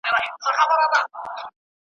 هر آواز یې د بلال دی هر ګوزار یې د علي دی .